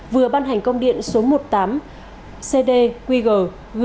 vừa ban hành công điện số một mươi tám cdqg